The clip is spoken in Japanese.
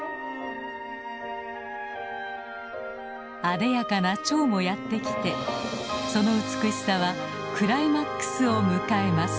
あでやかな蝶もやって来てその美しさはクライマックスを迎えます。